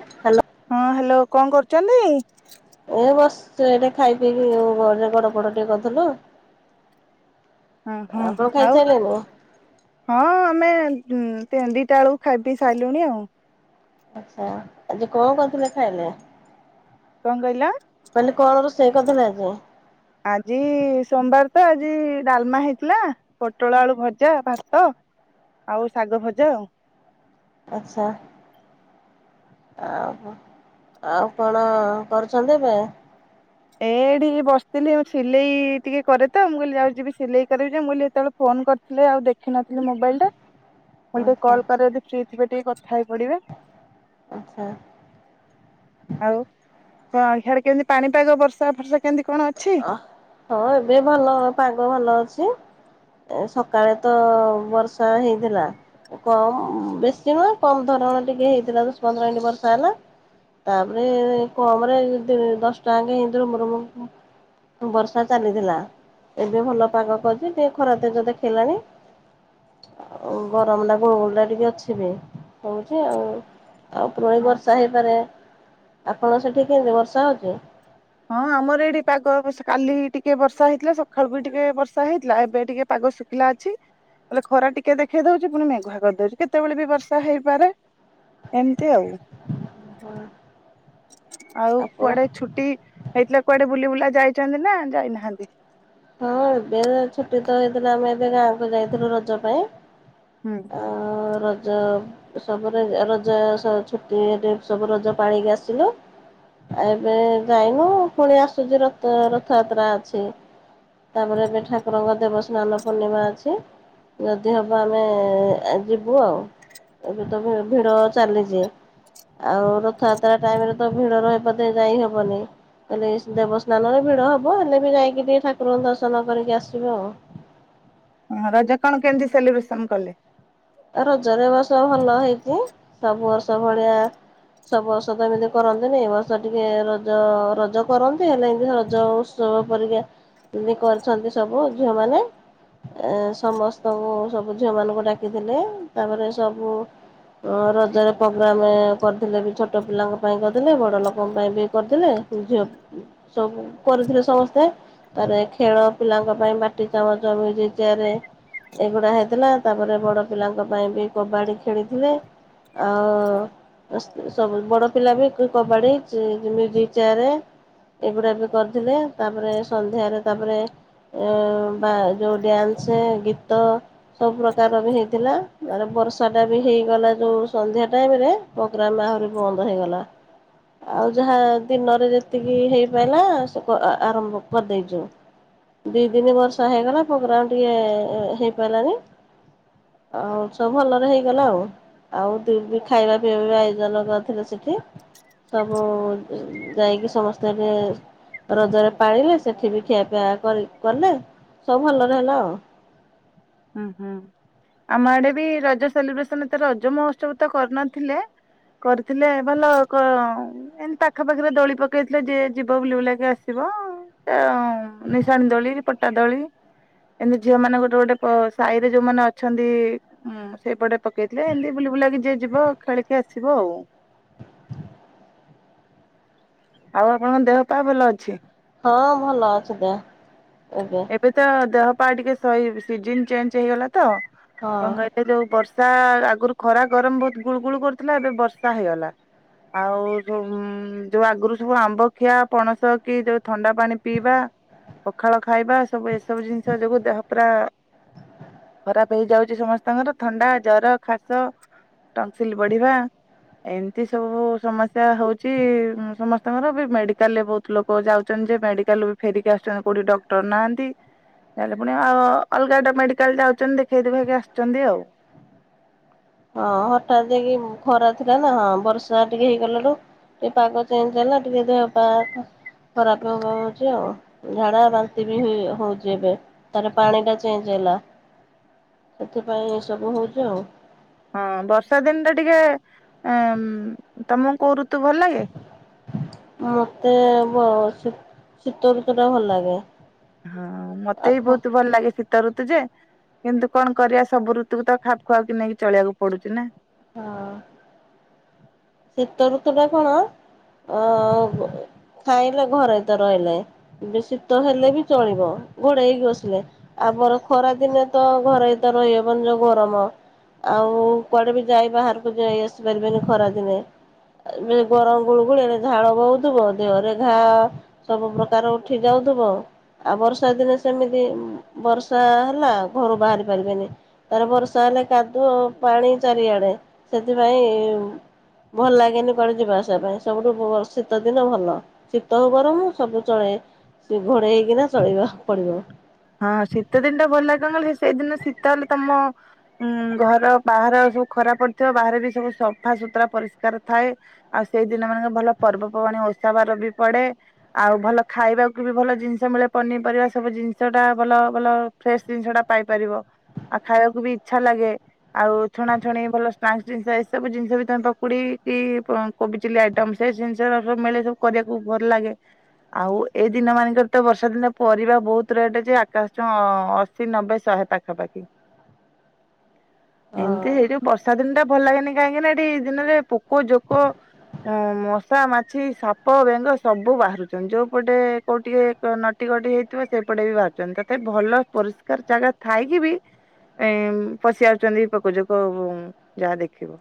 Hello ହଁ hello କଣ କରୁଛନ୍ତି? ଏ ବସ ଏଇଟେ ଖାଇ ପିଇକି ଆ ଘରେ ଗଡ଼ ଫଡ଼ ଟିକେ କରୁଥିଲୁ। ହଁ ହଁ ଆଉ ହଁ ଆମେ ଦିଟା ବେଳକୁ ଖାଇ ପି ସାରିଲୁଣି ଆଉ। ଆଚ୍ଛା ଆଜି କଣ କରଥିଲେ ଖାଇଲେ? କଣ କହିଲ କହିଲ କଣ ରୋଷେଇ କରଥିଲେ ଆଜି? ଆଜି ସୋମବାର ତ ଆଜି ଡାଲମା ହେଇଥିଲା। ପୋଟଳ ଆଳୁ ଭଜା, ଭାତ ଆଉ ଶାଗ ଭଜା। ଆଚ୍ଛା ଆଉ ଆଉ କଣ କରୁଛନ୍ତି ଏବେ? ଏଠି ବସିଥିଲି ମୁ ସିଲେଇ ଟିକେ କରେ ତ ମୁଁ କହିଲି ଯାଉଛିିବି ସିଲେଇ କରଛି ମୁଁ କହିଲି ସେତେବେଳେ ଫୋନ କରି ହେଲେ ଆଉ ଦେଖିନଥିଲି ମୋବାଇଲ ଟା ହ ମଲେ ଟିକେ କଲ୍ କର ଯଦି ଫ୍ରି ଥିବେ ଟିକେ କଥା ହେଇ ପଡ଼ିବେ। ଆଚ୍ଛା ଆଉ କଣ ଖିଆଡ କେମିତି ପାଣି ଟାଗ ବର୍ଷା ଫର୍ଷା କେମିତି କଣ ଅଛି? ଅ ହଁ ଏବେ ଭଲ ପାଗ ଭଲ ଅଛି। ସକାଳେ ତ ବର୍ଷା ହେଇଥିଲା। କମ ବେଶୀ ନୁହଁ କମ ଧରଣ ଟିକେ ହେଇଥିଲା ଦଶ ପନ୍ଦର ଏଇଣ୍ଟ ବର୍ଷା ହେଲା। ତାପରେ କମ ରେ ଦଶ ଟଙ୍କା [unintelligible] ବର୍ଷା ଚାଲିଥିଲା, ଏବେ ଭଲ ପାଗ କରିଛି ଟିକେ ଖରା ତେଜ ଦେଖେଇଲାଣି। ଆ ଗରମ ଟା ଗୋଳ ଗୋଳ ଟା ଟିକେ ଅଛି ବି ହଉଛି ଆଉ। ଆଉ ପୁୁରଣି ହଁ ବର୍ଷା ହେଇପାରେ, ଆପଣ ସେଠି କେମିତି ବର୍ଷା ହେଉଛି? ହଁ ଆମର ଏଠି ପାଗ ବେଶି କାଲି ଟିକେ ବର୍ଷା ହେଇଥିଲା, ସଖାଳୁ ବି ଟିକେ ବର୍ଷା ହେଇଥିଲା, ଏବେ ଟିକେ ପାଗ ଶୁ ଲା ଅଛି, ବଲେ ଖରା ଟିକେ ଦେଖେଇ ଦଉଛି ପୁଣି ମେଘୁଆ କରିଦଉଛି, କେତେବେଳେ ବି ବର୍ଷା ହେଇପାରେ। ଏମିତି ଆଉ। [unintelligible] ଆଉ ଆପଣ କୁଆଡେ ଛୁ ହେଇଥିଲା କୁଆଡେ ବୁଲି ବୁଲା ଯାଇଛନ୍ତି ନା ଯାଇନାହାନ୍ତି? ହଁ ଏବେ ଛୁଟି ତ ହେଇଥିଲା ଆମେ ଏବେ ଗାଁକୁ ଯାଇଥିଲୁ ରଜ ପାଇଁ। ହୁଁ। ଆ ରଜ ସବୁ [unintelligible] ଛୁଟି ରେ ସବୁ ରଜ ପାଳିକି ଆସିଲୁ। ଏବେ ଯାଇନୁ ଫୁଣି ଆସୁଛି ରଥ ରଥଯାତ୍ରା ଅଛି। ତାପରେ ଏବେ ଠାକୁରଙ୍କ ଦେବ ସ୍ନାନ ପୂର୍ଣ୍ଣିମା ଅଛି। ଯଦି ହବ ଆମେ ଯିବୁ ଆଉ। ଏବେ ତ ଭି ଭିଡ ଚାଲିଛି। ଆଉ ରଥଯାତ୍ରା ଟାଇମ ରେ ତ ଭିଡ ରହିପତେ ଯାଇ ହବନି। ହେଲେ ଦେବସ୍ନାନରେ ଭିଡ ହବ, ହେଲେ ବି ଯାଇକି ଟିକେ ଠାକୁରଙ୍କୁ ଦର୍ଶନ କରିକି ଆସିବି ଆଉ। ହଁ ରଜ କଣ କେମିତି ସେଲିବ୍ରେସନ କଲେ? ରଜରେ ଏ ବର୍ଷ ଭଲ ହେଇଛିି, ସବୁ ବର୍ଷ ଭଳିଆ ସବ୍ ବର୍ଷ ତ ଏମିତି କରନ୍ତିନି, ଏ ବର୍ଷ ଟିକେ ରଜ ରଜ କରନ୍ତି ହେଲେ ଏମିତି ରଜ ଉସ୍ ଜ ପରୀକ୍ଷା ଏମି କରିଛନ୍ତି ସବୁ ଝିଅମାନେ। ଏ ସମସ୍ତଙ୍କୁ ସବୁ ଝିଅ ମାନଙ୍କୁ ଡାକିଥିଲେ, ତାପରେ ସବୁ ଅ ରଜରେ ପ୍ରୋଗ୍ରାମେ କରିଥିଲେ ବି ଛୋଟ ପିଲାଙ୍କ ପାଇଁ କରିଥିଲେ, ବଡ଼ ଲୋକଙ୍କ ପାଇଁ ବି କରିଥିଲେ। ଝିଅ ସବୁ କରିଥିଲେ ସମସ୍ତେ। ତାରେ ଖେଳ ପିଲାଙ୍କ ପାଇଁ ମାଟି ଚାମଚ ମ୍ୟୁଜିକ ଚେୟାରେ ଏଇଗୁଡା ହେଇଥିଲା ତାପରେ ବଡ ପିଲାଙ୍କ ପାଇଁ ବି କବାଡି ଖେଳିଥିଲେ। ଆଉ ସବୁ ବଡ ପିଲା ବି କୁ କବାଡି [unintelligible] ଏଗୁଡା ବି କରିଥିଲେ, ତାପରେ ସନ୍ଧ୍ୟାରେ ତାପରେ ଏ ବା ଯୋଉ ଡ୍ୟାନ୍ସ ଗୀତ ସବୁ ପ୍ର ଉକାର ବି ହେଇଥିଲା [unintelligible] ବର୍ଷା ଟା ବି ହେଇଗଲା ଯୋଉ ସନ୍ଧ୍ୟା ଟାଇମ ରେ ଗ୍ରାମ ଆହୁରି ବନ୍ଦ ହେଇଗଲା। ଆଉ ଯାହା ଦିନରେ ଯେତିକି ହେଇପାଇଲା ସେ କ ଆ ଆରମ୍ଭ କରିଦେଇଛୁ। ଦି ଦିନି ବର୍ଷା ହେଇଗଲା ପ୍ରୋଗ୍ରାମ ଟିକେ ହେଇପାରିଲାନି। ଆଉ ସବୁ ଭଲରେ ହେଇଗଲା ଆଉ। ଆଉ [unintelligible] ଖାଇବା ପିଇବା ବି ଆୟୋଜନ କରିଥିଲେ ସେଠି। ସବୁ ଯାଇକି ସମସ୍ତେ ବି ରଜରେ ପାଳିଲେ, ସେଠି ବି ଖିଆ ପିଆ କରି କଲେ, ସବୁ ଭଲରେ ହେଲା ଆଉ। ହୁଁ ହୁଁ ଆମ ଆଡେ ବି ରଜ ସେଲିବ୍ରେସନ ଏତେ ରଜ ମହୋତ୍ସବ ତ କରିନଥିଲେ। କରିଥିଲେ ଭଲ କ ଏମିତି ପାଖ ପାଖିରେ ଦୋଳି ପକେଇଥିଲେ ଯିଏ ଯିବ ବୁଲି ବୁଲାକି ଆସିବ। ଆଁ ନିଶାଣି ଦୋଳି, ପଟା ଦୋଳି ଏମିତି ଝିଅ ମାନ ଗୋଟେ ଗୋଟେ ସାହିରେ ଯୋଉମାନେ ଅଛନ୍ତି ଉ ଉଁ ସେଇପଟେ ପକେଇଥିଲେ ଏମିତି ବୁଲି ବୁଲାକି ଯିଏ ଯିବ ଖେଳିକି ଆସିବ ଆଉ। ଆଉ ଆପଣଙ୍କ ଦେହ ପା ଭଲ ଅଛି? ହଁ ଭଲ ଅଛି ଦେହ ଏବେ। ଏବେ ତ ଦେହପାହା ଟିକେ ସିଜିନ ଚେଞ୍ଜ ହେଇଗଲା ତ ହଁ। କଣ କହ ଏ ଯୋଉ ବର୍ଷା ଆଗରୁ ଖରା ଗରମ ବହୁତ ଗୁଳୁ ଗୁଳୁ କରୁଥିଲା ଏବେ ବର୍ଷା ହେଇଗଲା। ଆଉ ଯୋଉ ଆଗରୁ ସବୁ ଆମ୍ବ ଖିଆ ପଣସ କି ଯୋଉ ଥଣ୍ଡା ପାଣି ପିଇବା ପଖାଳ ଖାଇବା ଏସବୁ ଏସବୁ ଜିନିଷ ଯୋଗୁ ଦେହ ପୁରା ଖରାପ ହେଇଯାଉଛି ସମସ୍ତଙ୍କର ଥଣ୍ଡା, ଜର, ଖାସ ଟନସିଲ ବଢିବା ଏମିତି ସବୁ ସମସ୍ୟା ହଉଛି ସମସ୍ତଙ୍କର ବି ମେଡିକାଲରେ ବହୁତ ଲୋକ ଯାଉଛନ୍ତି ଯେ ମେଡିକାଲରୁ ଫେରିକି ଆସୁଛନ୍ତି କୋଉଠି ଡ ଡାକ୍ତର ନାହାନ୍ତି ତାଲେ ପୁଣି ଅ ଅଲଗା ମେଡିକାଲ ଯାଉଛନ୍ତି ଦେଖେଇ ଦେଖେଇକି ଆସିଛନ୍ତି ଆଉ। ହଁ ହଠାତ୍ ଯାଇକି ଖରା ଥିଲା ନା ହଁ ବର୍ଷା ଟିକେ ହେଇଗଲା ରୁ ଟିକେ ପାଗ ଚେଞ୍ଜ ହେଲା ଟିକେ ଦେହ ପା ଖରାପ ହବା ହଉଛି ଆଉ ଝାଡା ବାନ୍ତି ବି ହଉଛି ଏବେ। ତାପରେ ପାଣିଟା ଚେଞ୍ଜ ହେଲା ସେଥିପାଇଁ ଏ ସବୁ ହଉଛି ଆଉ। ହଁ ବର୍ଷା ଦିନରେ ଟିକେ ଉ ତମକୁ କୋଉ ଋତୁ ଭଲ ଲାଗେ? ମତେ ଶୀତ ଋତୁଟା ଭଲ ଲାଗେ। ହଁ ମତେ ବି ଆଖ ବହୁତ ଭଲ ଲାଗେ ଶୀତ ଶୀତ ଋତୁ ଯେ କିନ୍ତୁ କଣ କରିବା ସବୁ ଋତୁକୁ ତ ଖାପ ଖୁଆ କି ନେଇକି ଚଳିବାକୁ ପଡୁଛି ନା? ହଁ। ଶୀତ ଋତୁଟା କଣ? ଅ ଖାଇଲେ ଘରେ ତ ରହିଲେ। ଏବେ ଶୀତ ହେଲେ ବି ଚଳିବ ଘଡେଇ ହେଇକି ବସିଲେ। ଆମର ଖରା ଦିନେ ତ ଘରେ ତ ରହିହବନି ଯୋଉ ଗରମ ଆଉ କୁଆଡେ ବି ଯାଇ ବାହାରକୁ ଯାଇ ଆସି ପାରିବେନି ଖରା ଦିନେ? ଗରମ ଗୁଳୁ ଗୁଳିରେ ଝାଳ ବହୁଥିବ ଦେହରେ ଘା ସବୁ ପ୍ରକାର ଉଠି ଯାଉଥିବ। ଆଉ ବର୍ଷା ଦିନେ ସେମିତି ବର୍ଷା ହେଲା ଘରୁ ବାହାରି ପାରିବେନି। ତା ପରେ ବର୍ଷା ହେଲେ କାଦୁଅ ପାଣି ଚାରିଆଡ଼େ ସେଥିପାଇଁ ଭଲ ଲାଗେନି କୁଆଡେ ଯିବା ଆସିବା ପାଇଁ ସବୁଠୁ ଶୀତ ଦିନ ଭଲ। ଶୀତ ହଉ ବରଂ ସବୁ ଚଳେଇ ଘୋଡେଇ ହେଇକିନା ଚଳେଇବାକୁ ପଡିବ। ହଁ ଶୀତ ଦିନଟା ଭଲ କଣ କହ ସେଇଦିନ ଶୀତ ହେଲେ ତମ ଉଁ ଘର ବାହାର ସବୁ ଖରା ପଡିଥିବ ବାହାରେ ବି ସବୁ ସଫା ସୁତୁରା ପରିଷ୍କାର ଥାଏ। ଆଉ ସେଇଦିନ ମାନେଙ୍କ ଭଲ ପର୍ବ ପର୍ବାଣି ମାନେ ଓଷା ବାର ବି ପଡେ। ଆଉ ଭଲ ଖାଇବାକୁ ବି ଭଲ ଜିନିଷ ମିଳେ ପନିପରିବା ସବୁ ଜିନିଷ ଜିନିଷଟା ଭଲ ଭଲ ଫ୍ରେଶ ଜିନିଷଟା ପାଇପାରିବ ଆଉ ଖାଇବାକୁ ବି ଇଚ୍ଛା ଲାଗେ। ଆଉ ଛଣାଛଣି ଭଲ ସ୍ନାକ୍ସ ଜିନିଷ ଏସବୁ ଜିନିଷ ବି ତମେ ପକୁଡିି କି କୋବି ଚିଲ୍ଲି ଆଇଟମ ସେଇ ଜିନିଷ ସବୁ ମିଳେ ସବୁ କରିବାକୁ ଭଲ ଲାଗେ। ଆଉ ଏଇ ଦିନ ମାନଙ୍କରେ ତ ବର୍ଷା ଦିନ ପରିବା ବହୁତ ଏତେ ରେଟ ଯେ ଆକାଶ ଛୁଆଁ ଅଶି, ନବେ, ଶହେ ପାଖାପାଖି। ଏମିତି ସେ ଯୋଉ ବର୍ଷା ଦିନଟା ଭଲ ଲାଗେନି କାହିଁକି ନା ଏଠି ଏଇ ଦିନରେ ପୋକ ଜୋକ ହଁ ମଶା, ମାଛି, ସାପ, ବେଙ୍ଗ ସବୁ ବାହାରୁଛନ୍ତି ଯୋଉପଟେ କୋଉଠିକେ ନଟି କଟି ହେଇଥିବ ସେପଟେ ବି ବାହାରୁଛନ୍ତି ତଥାପି ଭଲ ପରିଷ୍କାର ଜାଗା ଥାଇକି ବି ଏ ପଶି ଆସୁଛନ୍ତି ପୋକଯୋକ ଯାହା ଦେଖିବ।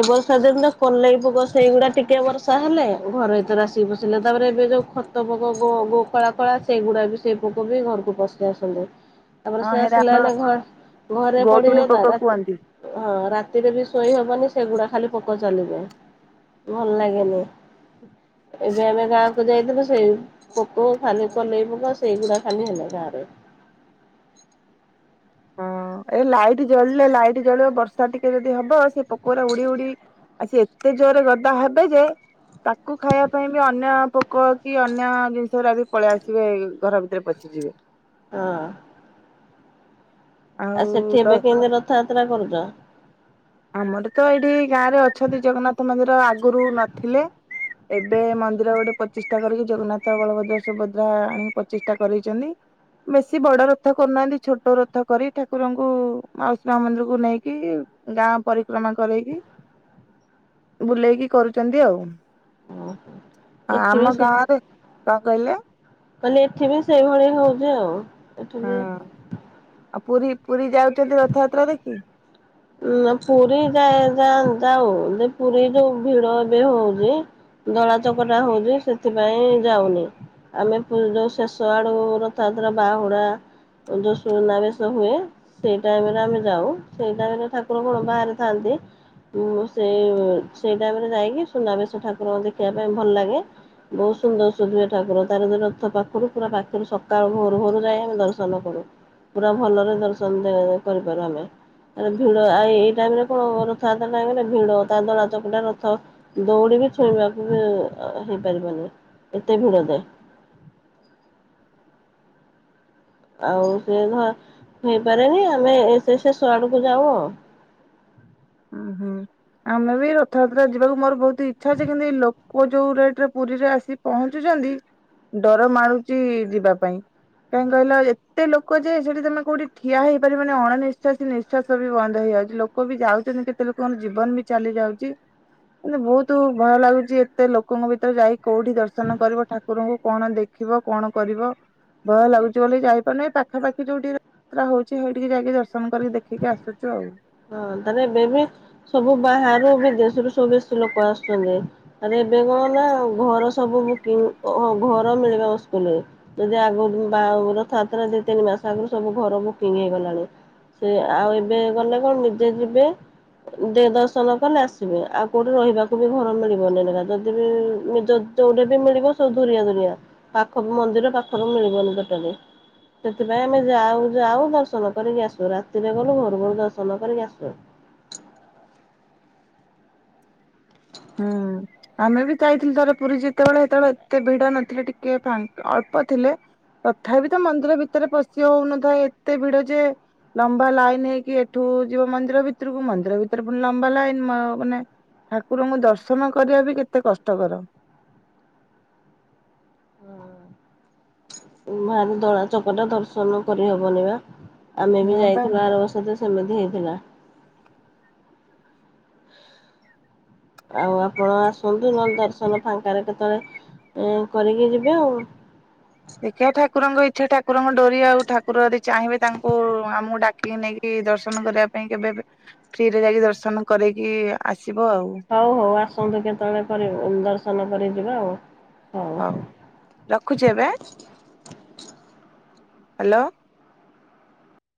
ଏ ବର୍ଷା ଦିନ କଲେଇ ପୋକ ସେଇଗୁଡା ଟିକେ ବର୍ଷା ହେଲେ ଘର ଭିତରେ ଆସିକି ପଶିଲେ ତାପରେ ଏବେ ଯୋଉ ଖ ତ ଗୋ ଗୋ କଳା କଳା ସେଇଗୁଡା ବି ସେଇ ପୋକ ବି ଘରକୁ ପଶି ଆସନ୍ତି। ତାପରେ ହଁ ସେ ହେରା ଆସିଲା ବେଳେ ଆମର ଘ ଘରେ ପଡିବେ ଗୋଡୁଣୀ ନା ପୋକ ରାତି କୁହନ୍ତି। ହଁ ରାତିରେ ବି ଶୋଇ ହବନି ସେଗୁଡା ଖାଲି ପୋକ ଚାଲିବେ ଭଲ ଲାଗେନି। ଏବେ ଆମେ ଗାଁକୁ ଯାଇଥିଲୁ ସେଇ ପୋକ ଖାଲି କଲେଇ ପୋକ ସେଇଗୁଡା ଖାଲି ହେଲେ ଗାଁ ରେ। ହଁ ଏ ଲାଇଟ୍ ଜଳିଲେ ଲାଇଟ୍ ଜଳିବ ବର୍ଷା ଟିକେ ଯଦି ହବ ସେ ପୋକଗୁଡା ଉଡି ଉଡି ଆ ସେ ଏତେ ଜୋରେ ଗଦା ହେବେ ଯେ ତାକୁ ଖାଇବା ପାଇଁ ବି ଅନ୍ୟ ପୋକ କି ଅନ୍ୟ ଜିନିଷ ଗଡା ବି ପଳେଇ ଆସିବେ ଘର ଭିତରେ ପଶିଯିବେ। ହଁ। ଆଉ ସେଠି ଏବେ କେମତି ରଥଯାତ୍ରା କରୁଛ? ଆମର ତ ଏଇଠି ଗାଁ ରେ ଅଛନ୍ତି ଜଗନ୍ନାଥ ମନ୍ଦିର ଆଗରୁ ନଥିଲେ। ଏବେ ମନ୍ଦିର ଗୋଟେ ପଚିଷ୍ଠା କରିକି ଜଗନ୍ନାଥ, ବଳଭଦ୍ର, ସୁଭଦ୍ରା ଆଣିକି ପଚିଷ୍ଠା କରିଦେଇଛନ୍ତି। ବେଶୀ ବଡ ରଥ କରୁନାହାନ୍ତି ଛୋଟ ରଥ କରିକି ଠାକୁରଙ୍କୁ ମାଉସୀ ମା ମନ୍ଦିରକୁ ନେଇକି ଗାଁ ପରିକ୍ରମା କରେଇକି ବୁଲେଇକି କରୁଛନ୍ତି ଆଉ। ଏଠି ବି ଆମ ଗାଁ ରେ, କଣ କହିଲେ? କହିଲି ଏଠି ବି ସେଇଭଳିଆ ହଉଛି ଆଉ। ଏଠି ହଁ ବି ଆଉ ପୁରୀ ପୁରୀ ଯାଉଛନ୍ତି ରଥଯାତ୍ରା ଦେଖି? ହ ଉମ ପୁରୀ ଯାଏ ଯାଆନ ଯାଉ ଯେ ପୁରୀ ଯୋଉ ଭିଡ ଏବେ ହଉଛି ଦଳା ଚକଟା ହଉଛି ସେଥିପାଇଁ ଯାଉନି। ଆମେ ପରି ଯ ଶେଷ ଆଡୁ ରଥଯାତ୍ରା ବାହୁଡା ଯୋ ସୁନା ବେଶ ହୁଏ। ସେଇ ଟାଇମରେ ଆମେ ଯାଉ ସେଇ ଟାଇମରେ ଠାକୁର କଣ ବାହାରେ ଥାନ୍ତି। ଉମ ସେଇ ସେଇ ଟାଇମରେ ଯାଇକି ସୁନାବେଶ ଠାକୁରଙ୍କ ଦେଖିବା ପାଇଁ ଭଲ ଲାଗେ। ବହୁତ ସୁନ୍ଦର ସୁବିଧା ଠାକୁର ତାର ଯୋ ରଥ ପାଖରୁ ପୁରା ପାଖରୁ ସକାଳୁ ଭୋର ଭୋରୁ ଯାଇ ଆମେ ଦର୍ଶନ କରୁ। ପୁରା ଭଲରେ ଦର୍ଶନ କରିପାରୁ ଆମେ। ଭିଡ ଆଉ ଏଇ ଟାଇମ ରେ କଣ ହବ ରଥଯାତ୍ରା ଟାଇମରେ ଭିଡ ତା ଦଳା ଚକଟା ରଥ। ଦୌଡି ବି ଛୁଇଁବାକୁ ବି ହେଇପାରିବନି ଏତେ ଭିଡ ଯେ। ଆଉ ସେ ଧ ହେଇପାରେନି ଆମେ ଏ ସେସ ଆଡକୁ ଯାଉ ଆଉ। ହଁ ହୁଁ। ଆମେ ବି ରଥଯାତ୍ରା ଯିବାକୁ ମୋର ବହୁତ ଇଚ୍ଛା ଅଛି କିନ୍ତୁ ଏଇ ଲୋକ ଯୋଉ ରେଟ ରେ ପୁରୀରେ ଆସି ପହଞ୍ଚୁଛନ୍ତି ଡର ମଡୁଛି ଯିବା ପାଇଁ। କାହିଁ କହିଲା ଏତେ ଲୋକ ଯେ ସେଠି ତମେ କୋଉଠି ଠିଆ ହେଇପାରିବନି ଅଣନିଶ୍ଵା ନିଶ୍ୱାସ ବି ବନ୍ଦ ହେଇଯାଉଛି ଲୋ କ ବି ଯାଉଛନ୍ତି କେ ତେ ଲୋକଙ୍କ ଜୀବନ ବି ଚାଲି ଯାଉଛି କିନ୍ତୁ ବହୁତ ଭୟ ଲାଗୁଛି ଏତେ ଲୋକଙ୍କ ଭିତରେ ଯାଇ କୋଉଠି ଦର୍ଶନ କରିବ ଠାକୁରଙ୍କୁ କଣ ଦେଖିବ କଣ କରିବ। ଭୟ ଲାଗୁଛି ବୋଲି ଯାଇପାରୁନିଁ ପାଖାପାଖି ଯୋଉଠି ତୁରା ହଉଛି ହଇ ଟିକି ଯାଇକି ଦର୍ଶନ କରିକି ଦେଖିକି ଆସୁଛୁ ଆଉ। ହଁ ତାହେଲେ ଏବେ ବି ସବୁ ବାହାରରୁ ବି ଦେଶରୁୁ ସବୁ ବେଶୀ ଲୋକ ଆସୁଛନ୍ତି। ଆରେ ଏବେ କଣ ନା ଘର ସବୁ ବୁକିଂ ଘର ମିଳିବ ସ୍କୁଲରେ। ଯଦି ଆଗ କୁ ବା ରଥଯାତ୍ରା ଦି ତିନି ମାସ ଆଗରୁ ସବୁ ଘର ବୁକିଂ ହେଇଗଲାଣି। ସେ ଆଉ ଏବେ ଗଲେ କଣ ନିଜେ ଯିବେ। ଦେ ଦର୍ଶନ କଲେ ଆସିବେ ଆଉ କୋଉଠି ରହିବାକୁ ବି ଘର ମିଳିବନି ଯଦି ବି ନିଜ ଯୋଉଠେ ବି ମିଳିବ ସେଇଠୁ ନେଇକି ଯିବା ପାଖ ମନ୍ଦିର ପାଖରୁ ମିଳିବନି ଟୋଟାଲି ସେଥିପାଇଁ ଆମେ ଯାଉ ଯାଉ ଦର୍ଶନ କରିକି ଆସୁ ରାତିରେ ଗଲୁ ଭୋରୁ ଭୋରୁ ଦ ର୍ଶନ କରିକି ଆସୁ। ହୁଁ। ଆମେ ବି ତ ଯାଇଥିଲୁ ଥରେ ପୁରୀ ଯେତେବେଳେ ସେତେବେଳେ ଏତେ ଭିଡ ନଥିଲେ ଟିକେ ଫାଙ୍କା ଅଳ୍ପ ଥିଲେ। ତଥାପି ତ ମନ୍ଦିର ଭିତରେ ପଶି ହୋଉନଥାଏ ଏତେ ଭିଡ ଯେ ଲମ୍ବା ଲାଇନ୍‌ ହେଇକି ଏଠୁ ଯିବ ମନ୍ଦିର ଭିତରକୁ ମନ୍ଦିର ଭିତରେ ଫୁଣି ଲମ୍ବା ଲାଇନ୍‌ ମାନେ ଠାକୁରଙ୍କୁ ଦର୍ଶନ କରିବା ବି କେତେ କଷ୍ଟକର ଉଁ ଭାରି ଦଳା ଚକଟା ଦର୍ଶନ କରି ହବନି ବା ଆମେ ବି ନା ପା। ଯାଇଥିଲୁ ଆର ବର୍ଷ ଯେ ସେ ହେମିତି ହେଇଥିଲା। ଆଉ ଆପଣ ଆସନ୍ତୁ ନହେଲେ ଦର୍ଶନ ଫାଙ୍କାରେ କେତେବେଳେ ଉଁ କରିକି ଯିବେ ଆଉ। ଦେଖିଆ ଠାକୁରଙ୍କ ଇଚ୍ଛା ଠାକୁରଙ୍କ ଡୋରି ଆଉ ଠାକୁର ଅଦି ଚାହିଁବେ ତାଙ୍କୁ ଆମକୁ ଡା କି ନେଇକି ଦର୍ଶନ କରିବା ପାଇଁ କେବେ ଫ୍ରିରେ ଯାଇକି ଦର୍ଶନ କରେଇକି ଆସିବୁ ଆଉ। ହୋଉ ହୋଉ ଆସନ୍ତୁ କେତେବେଳେ ପରେ ଦର୍ଶନ କରି ଯିବା ଆଉ। ହଉ। ହୋଉ ରଖୁଚି ଏବେ ଆଁ ହ୍ୟାଲୋ